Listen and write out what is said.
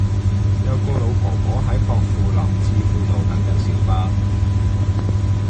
有個老婆婆喺薄扶林置富道等緊小巴